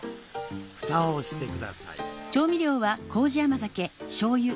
蓋をしてください。